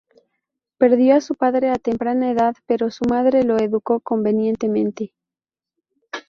Perdió a su padre a temprana edad pero su madre lo educó convenientemente.